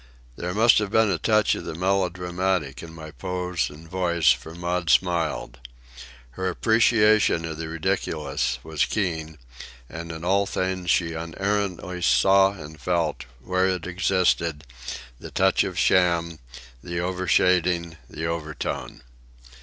There must have been a touch of the melodramatic in my pose and voice, for Maud smiled. Her appreciation of the ridiculous was keen, and in all things she unerringly saw and felt, where it existed, the touch of sham, the overshading, the overtone.